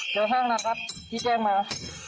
๑๕๒๒เจอห้องนะครับพี่แจ้งมา